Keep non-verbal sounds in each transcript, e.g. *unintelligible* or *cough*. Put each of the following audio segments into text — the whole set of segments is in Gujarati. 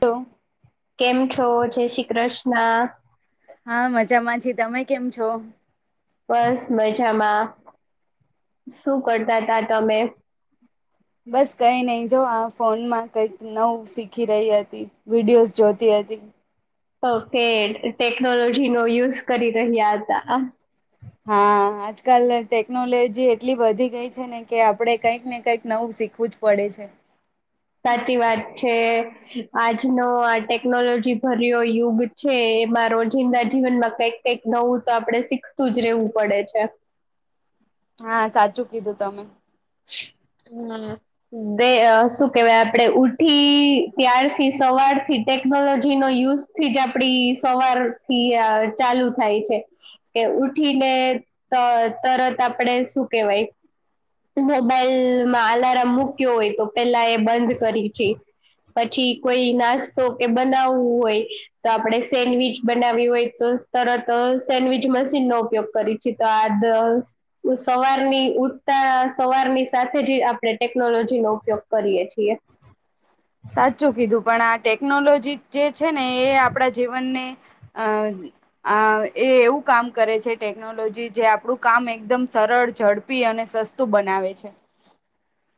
તો કેમ છો જય શ્રી કૃષ્ણ હા મજામાં છે તમે કેમ છો? બસ મજામાં શું કરતા તા તમે બસ કઈ નહી જો આ ફોનમાં કઈક નવું શીખી રહી હતી વિડીયોઝ જોતી હતી પ *unintelligible* ઓકે ટેકનોલોજી નો યુઝ કરી રહ્યા હતા હા આજકાલ ટેકનોલોજી એટલી વધી ગઈ છે ને કે આપડે કઈક ને કંઈક નવું શીખ શીખવું જ પડે છે. સાચી વાત છે. આજનો આ ટેકનોલોજી ભર્યો યુગ છે એમાં રોજિંદા જીવનમાં કઈક કઈક નવું તો આપડે શીખતું જ રેવું પડે છે હા સાચું કીધું તમે- હમ દે શું કેવાય આપડે ઉઠી ત્યારથી સવાર થી ટેકનોલોજી નો યુઝ થી જ આપડી સવારથી અચાલુ થાય છે કે ઉઠીને તર તરત આપડે શું કેવાય મોબાઈલમાં અલાર્મ મૂક્યો હોય તો પેલા એ બંધ કરી છે... પછી કોઈ નાસ્તો કે બનાવવું હોય તો આપડે સેન્ડવીચ બનાવીવી હોય તો તરત સેન્ડવીચ મશીન નો ઉપયોગ કરી છે તો આ સવારની સવારની સાથે જ આપણે ટેકનોલોજી નો ઉપયોગ કરીએ છીએ હ સાચું કીધું પણ આ ટેકનોલોજી જે છે ને એ આપણા જીવનને અ અ એ એવું કામ કરે છે ટેકનોલોજી જે આપણું કામ એકદમ સરળ ઝડપી અને સસ્તું બનાવે છે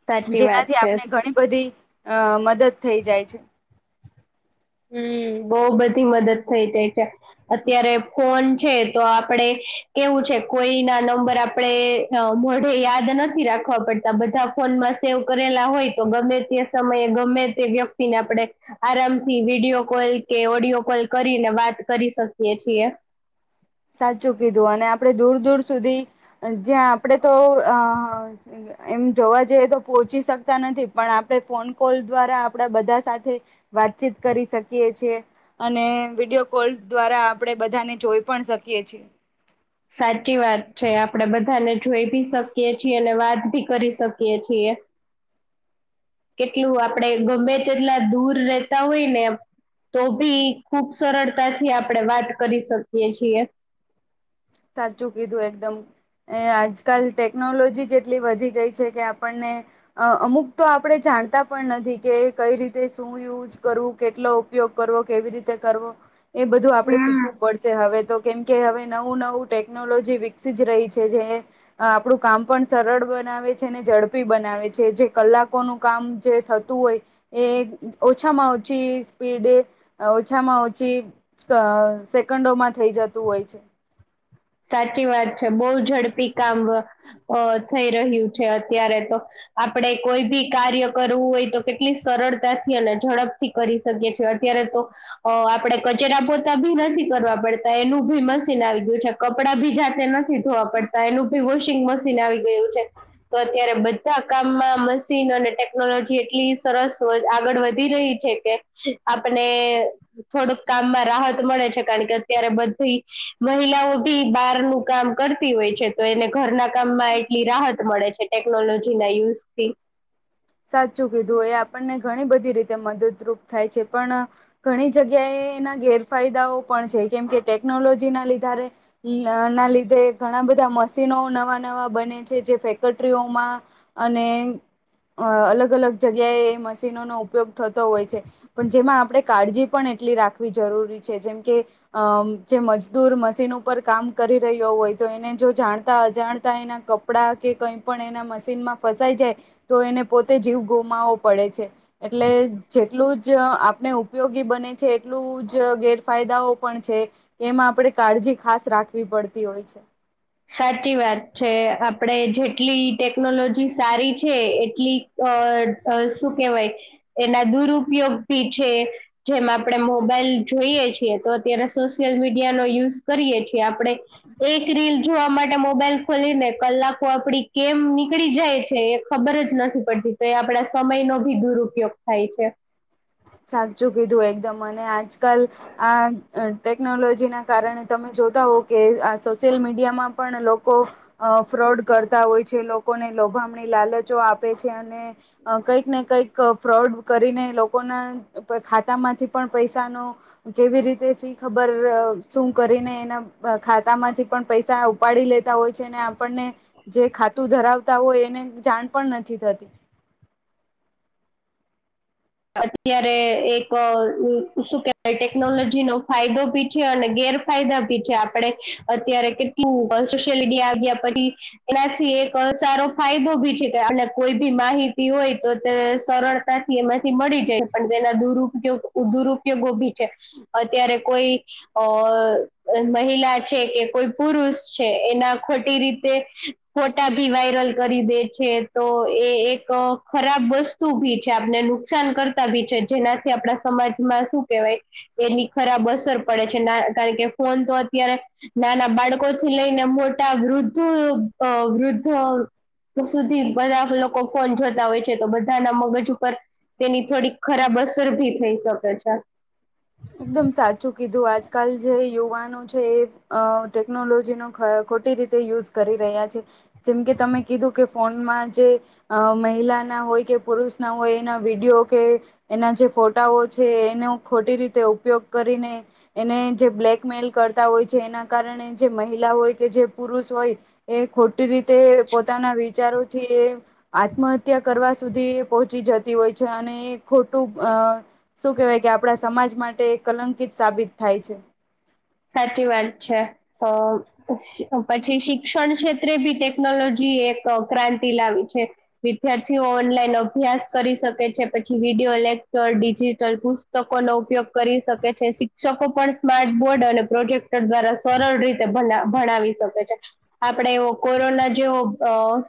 સાચી વાત જેનાથી છે આપણે ઘણી બધી અ મદદ થઈ જાય છે. હમ. બહ બધી મદદ થઈ જાય છે અત્યારે ફોન છે તો આપડે કેવું છે. કોઈ ના નંબર આપણે મોઢે યાદ નથી રાખવા પડતા બધા ફોન માં સેવ કરેલા હોય તો ગમે તે સમયે ગમે તે વ્યક્તિને આપણે આરામ થી વિડીયો કોલ કે ઓડિયો કોલ કરીને વાત કરી શકીએ છીએ સાચું કીધું અને આપડે દૂર દૂર સુધી જ્યાં આપડે તો અ એમ જોવા જઈએ તો પહોચી શક નથી પણ આપણે ફોન કોલ દ્વારા આપડા બધા સાથે વાતચીત કરી શકીએ છીએ અને વિડીયો કોલ દ્વારા આપણેે બધાને જોઈ પણ શકીએ છીએ સાચી વાત છે આપડે બધાને જોઈ ભી શકીયએ છીએ અને વાત ભી કરી શકીએ છીએ *inaudible* કેટલું આપડે ગમે તેટલા દૂર રહેતા હોય ને તો ભી ખુબ સરળતા થી આપણે વાત કરી શકીએ છીએ સાચું કીધું એકદમ એ આજકાલ ટેકનોલોજી જ એટલી વધી ગઈ છે કે આપણને અમુક તો આપણેે જા જાણતા પણ નથી કે કઈ રીતે શું યુઝ કરવું કેટલો ઉપયોગ કરવો કેવી રીતે કરવો એ બધું આપડે હમ શીખવું પડશે હવે તો કેમકે હવે નવું નવું ટેકનોલોજી વિકસી જ રહી છે જે આપણું કામ પણ સરળ બનાવે છે ને ઝડપી બના બનાવે છે જે કલાકોનું કામ જે થતું હોય એ ઓછામાં ઓછી સ્પીડ તે ઓછામાં ઓછી સેકન્ડોમાં થઈ જતું હોય છે સાચી વાત છે બહુ ઝડપી કામ અ થઈ રહ્યું છે અત્યારે તો આપણેે કોઈ ભી કાર્ય કરવું હોય તો કેટલી સરળતાથી અને ઝડપથી કરી શકીએ છીએ અત્યારે તો આપડે કચેરા પોતા ભી નથી કરવા પડતા એનું ભી મશીન આવી ગયું છે કપડા ભી જાતે નથી ધોવા પડતા એનું બી વોશિંગ મશીન આવી ગયું છે. તો અત્યારે બધા કામમાં મશીન અને ટેકનોલોજી એટલી સરસ વ આગળ વધી રહી છે કે આપને થોડુંક કામમાં રાહત મળે છે કારણ કે અત્યારે બધી મહિલાઓ બી બહારનું કામ કરતી હોય છે તો એને ઘરના કામમાં એટલી રાહત મળે છે ટેકનોલોજીના યુઝથી સાચું કીધું એ આપણને ઘણી બધી રીતે મદદરૂપ થાય છે પણ ઘણી જગ્યાએ એના ગેરફાયદાઓ પણ છે. કેમ કે ટેકનોલોજી ના લીધ ના લીધે ઘણા બધા મશીનો નવા નવા બ બને છે જે ફેકટરીઓમાં અને અ અલગ અલગ જગ્યાએ એ મશીનોનો ઉપયોગ થતો હોય છે પણ જેમાં આપણે કાળજી પણ એટલી રાખવી જરૂરી છે જેમ કે અ જે મજદૂર મશીન ઉપર કામ કરી રહ્યો હોય તો એને જો જાણતા અજાણતા એના કપડા કે કઈ પણ એના મશીનમાં ફસાઈ જાય તો એને પોતે જીવ ગુમાવો પડે છે એટલે જેટલું જ આપણે ઉપયોગી બને ને જેટલું જ ગેરફાયદાઓ પણ છે એમાં આપણે કાળજી ખાસ રાખવી પડતી હોય છે. સાચી વાત છે આપડે જેટલી ટેકનોલોજી સારી છે એટલી અ શું કેહેવાય એના દુરુપયોગ ભી છે. જેમ આપણે મોબાઈલ જોઈએ છીએ તો અત્યારે સોશિયલ મીડિયા નો યુઝ કરીએ છીએ કે આપણે એક રીલ જોવા માટે મોબાઈલ ખોલીને કલાકો આપડી કેમ નીકળી જાય છે એ ખબર જ નથી પડતી તો એ આપડા સમય ન ભી દુરુપયોગ થાય છે. સાચું કીધું એકદમ અને આજકાલ આ ટેકનોલોજી ના કારણે તમે જો જોતા હો કે સોશિયલ મીડિયામાં પણ લોકો ફ્રોડ કરતા હોય છે લોકોને લોભામણી લાલચો આપે છે અને કંઈક ને કઈક ફ્રોડ કરીનેએ લો લોકો ના ખાતા માંથી પણ પૈસા ન કેવી રીતે સી ખબર શું કરે એને એના ખાતામાંથી પૈસા ઉપાડી લેતા હોય છે આપણને જે ખાતું ધરા આવતા હોય એને જાણ પણ નથી થતી અત્યારે એક અ શું કેવાય ટેકનોલોજી નો ફાયદો બી છે અને ગે રફાયદા ભી છે આપણે અત્યારે કેટલું સોશિયલ મીડિયા આવ્યા પછી એનાથી કે સારો ફાયદો ભી છે કે અને કોઈ ભી માહિતી હોય તો તે સરળતાથી એમાંથી થી મળી જાય પણ તેના દુર દુરુપયોગ ભી છે અત્યારે કોઈ અ મહિલા છે કે કોઈ પુરુષ છે એના ખોટી રીતે ફોટા ભી વાયરલ કરી દે છે તો એ એક ખરાબ વસ્તુ ભી જે આપને નુ કરતા બી છે જેનાથી આપણા સમાજમાં શું કેવાય એની ખરાબ અસર પડે છે ના કા કે ફોન તો અત્યારે નાના બાળકો થી લઈને મોટા વૃદ્ધ વૃદ્ધ દ્ધ સુધી બધા લોકો ફોન જોતા હોય છે તો બધાના મગજ ઉપર તેની થોડીક ખરાબ અસર ભી થઈ શકે છે એકદમ સાચું કીધું આજકાલ જે યુવાન છે ટેકનોલોજી નો ખોટી રીતે યુઝ કરી રહ્યા છે જેમ કે તમે કીધું કે ફોનમાં જે મહિલા ના હોય કે પુરુષ ના હોય એના વિડીયો કે એના જે ફોટાઓ છે એને ખોટી રીતે ઉપયોગ કરીને એને જે બ્લેકમેલ કરતા હોય છે એના કારણે જે મહિલા હોય કે જે પુરુષ હોય એ ખોટી રીતે પોતાના વિચારોથી આત્મહત્યા કરી સુધી પહોંચી જતી હોય છે અને એ ખોટું શું કેહેવાય કે આપણા સમાજ માટે એક કલંકિત સાબિત થાય છે સાચી વાત છે અ પછી શિક્ષણ ક્ષેત્રે બી ટેકનોલોજી એક ક્રાંતિ લાવી છે વિદ્યાર્થીઓ ઓનલાઈન અભ્યાસ કરી શકે છે પછી વિડીયો કલેકચર ડિજિટલ પુસ્તકો નો ઉપયોગ કરી શકે છે્ શિક્ષકો પણ સ્માર્ટ બોર્ડ અને પ્રોજેક્ટર દ્વારા સરળ રીતે ભણાવી શકે છે આપડે એવ કોરોના જેવો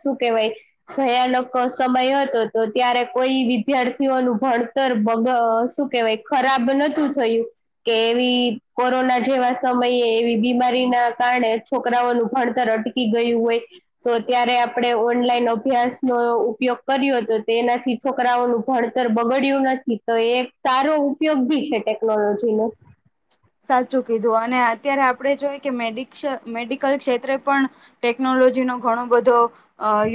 શું કેહેવાય ભયાનક સમય હતો તો ત્યારે કોઈ વિદ્યાર્થીઓનું ભણતરગ શું કેવાય ખરાબ નતું થયું કે એવી કોરોના જેવા સમયે એવી બીમારી ના કારણે છોકરાઓનું ભણતર અટકી ગયું હોય તો ત્યારે આપણે ઓનલાઈન અભ્યાસ નો ઉપયોગ કર્યો તો તેના છોકરાઓ નું ભણતર બગડ્યું નથી તો એ સારો ઉપયોગ ભી છે ટેકનોલોજી નો સાચું કીધું અને અત્યારે આપણે જોએ કે મેડિકલ ક્ષેત્રે પણ ટેકનોલોજી ટેનોલોજીનો ઘણો બધો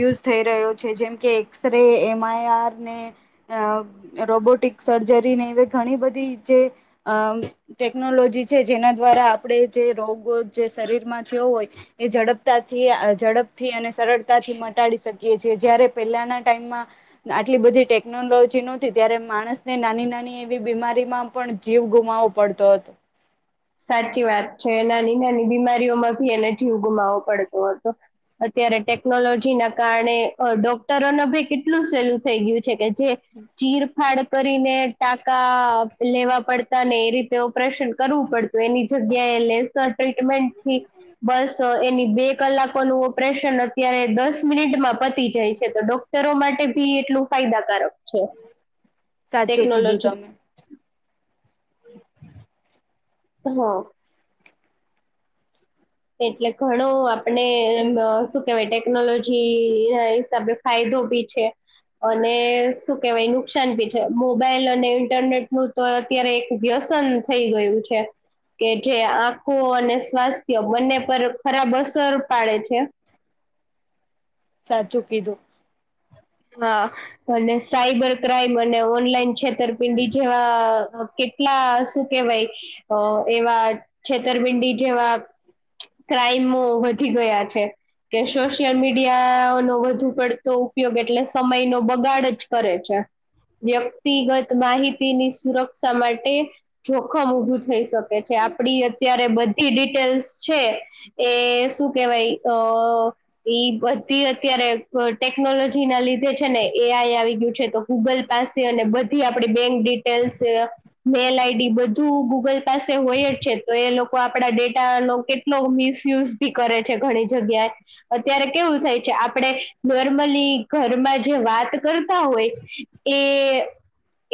યુઝ થઈ રહ્યો છે જેમ કે એક્સ ર એમઆઈઆર ને અ રોબોટિક સર્જરી ને એ ઘણી બધી જે અ ટેકનોલોજી છે જેના દ્વારા આપણે જે રોગો જે શરીરમાં થયો હોય એ ઝડપથી ઝડપથી અને સરળતાથી મટાડી શકીએ છીએ જારે પેલાના ટાઈમ આટલી બધી ટેકનોલોજી નતી ત્યારે માણસને નાની નાની એવી બીમારીમાં પણ જીવ ગુમાવવો પડતો હતો સાચી વાત છે નાની નાની બીમારીઓમાં ભી એને જીવ ગુમાવો પડતો હતો અત્યારે ટેકનોલોજી ના કારણે ડોક્ટરો ન ભાઈ કેટલું સહેલું થઈ ગયું છે કે ચીર ફાડ કરીને ટાકા લેવા પડતા ને એ રીતે ઓપરેશન કરવું પડત તો એની જગ્યાએ લેસર ટ્રીટમેન્ટ થી બસ એની બે કલાકોનું ઓપરેશન અત્યારે દસ મિનિટમાં પતી જાય છે તો ડોક્ટરો માટે ભી એટલું ફાયદાકારક છે સાચું કીધું ટેકનોલોજી તમે હા એટલે ઘણો આપણે શું કેહેવાય ટેકનોલોજી ના હિસાબે ફાયદો ડોબી છે અને શું કેહેવાય નુકસાન ભી છે મોબાઈલ અને ઇન્ટરનેટ નું તો અત્યારે એક વ્યસ્ત પસંદ થઈ ગયું છે કે જે આંખો અને સ્વાસ્થ બંને પર ખરાબ અસર પાડે છે સાચું કીધું હા અને સાયબર ક્રાઈમ અને ઓનલાઈન છેતરપિંડી જેવા કેટલા શું કેહેવાય એવા છેતરપિંડી જેવા ક્રાઈમ વધી ગયા છે કે સોશિયલ મીડિયા નો વધુ પડતો ઉપયોગ એ એટલે સમય નો બગાડ જ કરે છે વ્યક્તિગત માહિતીની સુરક્ષા માટે જોખમ ઉભું થઈ શકે છે આપડી અત્યારે બધી ડિટેલ્સ છે એ શું કેહેવાય અ એ બધી અત્યારે ટેકનોલોજી ના લીધે છે ને એ આઈ આવી ગયું છે તો ગૂગલ પાસે અને બધી આપણી બેંક ડિટેલ્સ મેલ આઈડી બધું ગૂગલ પાસે હોય જ છે તો એ લોકો આપડા ડેટા નો કેટલો મિસયુઝ બી કરે છે ઘણી જગ્યાએ અત્યારે કેવું થાય છે આપણેે નોર્મલી ઘરમાં જે વાત કરતા હોય એ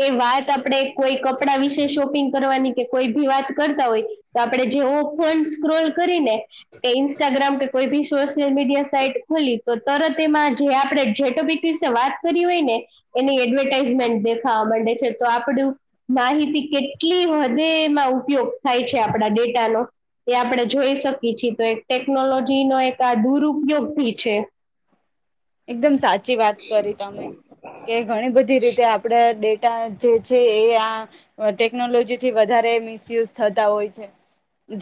એ વાત આપણેે કોઈ કપડા વિશે શોપિંગ કરવાની કે કોઈ ભી વાત કરતા હોય તો આપડણે જેવો ફોન સ્ક્રોલ કરીને કે ઇન્સ્ટાગ્રામ કે કોઈ બી સોશિયલ મીડિયા સાઈટ ખોલી તો તરત એમાં જે આપડે જેટપીસે વાત કરી હોય ને એની એડવર્ટાઈઝમેન્ટ દેખાવા માંડે છે તો આપડું માહિતી કેટલી વધે એમાં ઉપયોગ થાય છે આપણા ડેટાનો એ આપણે જોઈ શકીએ છીએ તો એક ટેકનોલોજી નો એક આ દુરુપયોગથી છે એકદમ સાચી વાત કરી તમે કે ઘણી બધી રીતે આપડે જે છે એ આ ટેકનોલોજી થી વધારે મિસયુઝ થતા હોય છે-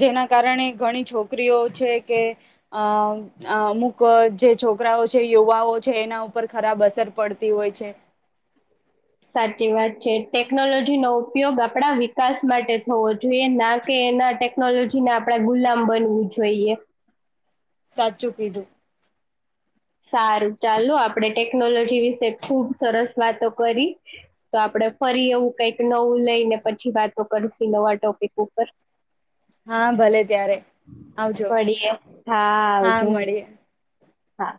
જેના કારણે ઘણી છોકરીઓ છે કે અ અ અમુક જે છોકરાઓ છે યુવાઓ છે એના ઉપર ખરાબ અસર પડતી હોય છે સાચી વાત છે ટેકનોલોજી નો ઉપયોગ આપણા વિકાસ માટે થવો જોઈએ ના કે ના ટેકનોલોજીને આપણેે ગુલામ બનવું જોઈએ. સાચું કીધું. સારું ચાલો આપડે ટેકનોલોજી વિશે ખુબ સરસ વાતો કરી તો આપડ ફરી એવું કઈક નવું લઈને પછી વાતો કરશુ નવા ટોપિક ઉપર- હા ભલે ત્યારે- આવજો મળીએ હા હા આવજો મળી હા.